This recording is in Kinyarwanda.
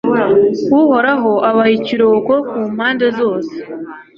uhoraho abaha ikiruhuko ku mpande zose